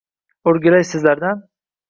-O‘rgilayin sizlardan.